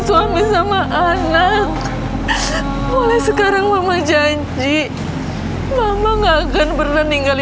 suami sama anak boleh